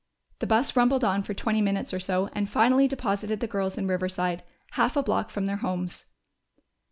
The bus rumbled on for twenty minutes or so and finally deposited the girls in Riverside, half a block from their homes.